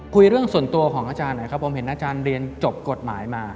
คุยเรื่องส่วนตัวของอาจารย์หน่อยครับผมเห็นอาจารย์เรียนจบกฎหมายมา